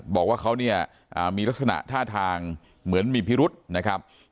บอกว่าเขาเนี่ยมีลักษณะท่าทางเหมือนมีพิรุษนะครับ